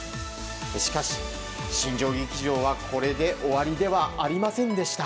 しかし、新庄劇場はこれで終わりではありませんでした。